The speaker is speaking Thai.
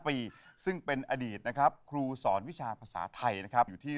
ปีซึ่งเป็นอดีตนะครับครูสอนวิชาภาษาไทยนะครับอยู่ที่